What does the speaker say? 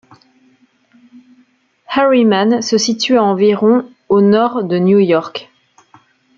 Harriman se situe à environ au nord de New York.